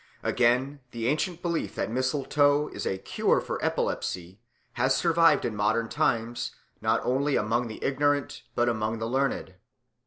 Again, the ancient belief that mistletoe is a cure for epilepsy has survived in modern times not only among the ignorant but among the learned.